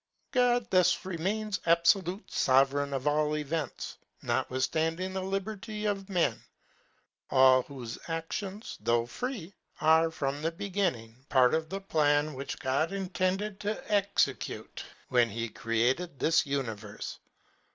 God thus remains abfolute fovereign of all events, notwithftanding the liberty of men, all whofe actions, though free, are, from the beginning, part of the plan which God intended to execute, when he created this univerfe.